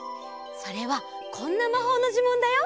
それはこんなまほうのじゅもんだよ！